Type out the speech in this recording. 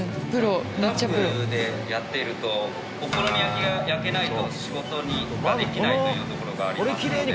オタフクでやっているとお好み焼きが焼けないと仕事ができないというところがありますので。